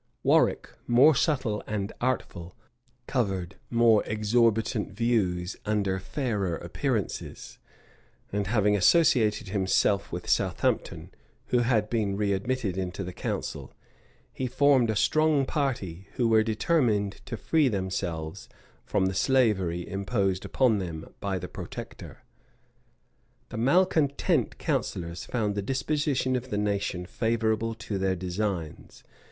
Warwick, more subtle and artful, covered more exorbitant views under fairer appearances, and having associated himself with Southampton, who had been readmitted into the council, he formed a strong party who were determined to free themselves from the slavery imposed on them by the protector. * Burnet, vol. ii. p. 132, 175. Burnet, vol. ii. p. 133. Strype, vol ii. p. 181. The malecontent counsellors found the disposition of the nation favorable to their designs.